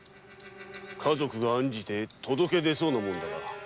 家族が案じて届け出そうなものだが？